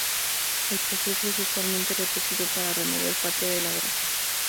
El proceso es usualmente repetido para remover parte de la grasa.